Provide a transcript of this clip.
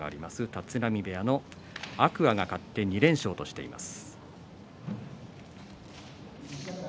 立浪部屋の天空海が勝って２連勝としています。